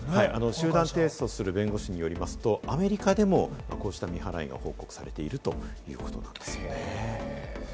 集団提訴する弁護士によりますと、アメリカでもこうした未払いが報告されているということです。